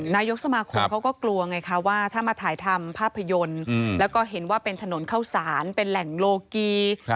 นายกสมาคมเขาก็กลัวไงคะว่าถ้ามาถ่ายทำภาพยนตร์แล้วก็เห็นว่าเป็นถนนเข้าสารเป็นแหล่งโลกี